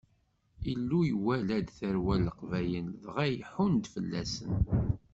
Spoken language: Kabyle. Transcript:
Illu iwala-d tarwa n Leqbayel, dɣa iḥunn-d fell-asen.